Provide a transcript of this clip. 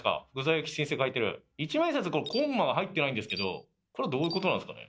一万円札コンマが入ってないんですけどこれはどういうことなんですかね？